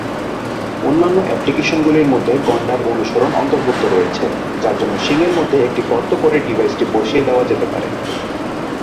অন্যান্য অ্যাপ্লিকেশনগুলির মধ্যে গণ্ডার অনুসরণ অন্তর্ভুক্ত রয়েছে, যার জন্য শিং মধ্যে একটি গর্ত করে ডিভাইসটি বসিয়ে দেওয়া যেতে পারে।